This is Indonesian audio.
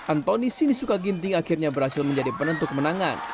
anthony sini sukaginting akhirnya berhasil menjadi penentu kemenangan